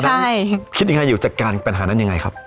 ตอนนั้นคิดยังไงอยู่จากการปัญหานั้นยังไงครับ